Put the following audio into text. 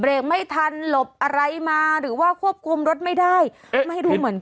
ไม่ทันหลบอะไรมาหรือว่าควบคุมรถไม่ได้ไม่รู้เหมือนกัน